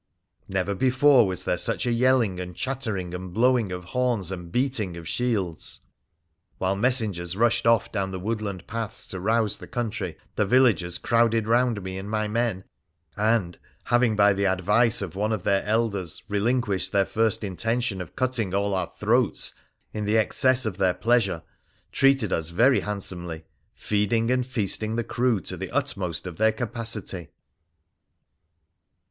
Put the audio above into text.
Never before was there such a yelling and chattering and blowing of horns and beating of shields. While messengers rushed off down the woodland paths to rouse the country, the villagers crowded round me and my men, and, having by the advice of one of their elders, relinquished their first intention of cutting all our throats in the excess of their pleasure, treated us very handsomely, feeding and feasting the crew to the utmost of their capacity.